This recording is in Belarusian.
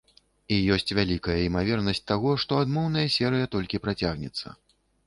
І ёсць вялікая імавернасць таго, што адмоўная серыя толькі працягнецца.